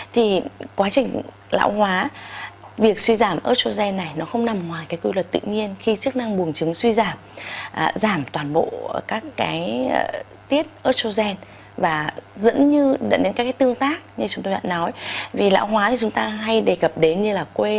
thì quá trình lão hóa việc suy giảm estrogen này nó không nằm ngoài cái quy luật tự nhiên khi chức năng bùng trứng suy giảm giảm toàn bộ các cái tiết estrogen và dẫn đến các cái tương tác như chúng tôi đã nói